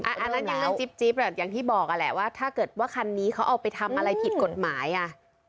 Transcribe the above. อันนั้นอย่างน้องจิ๊บอ่ะอย่างที่บอกอ่ะแหละว่าถ้าเกิดว่าคันนี้เขาเอาไปทำอะไรผิดกฎหมายอ่ะ